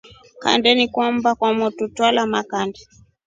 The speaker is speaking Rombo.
Kandeni ya mbaa ya motru twayaa makith.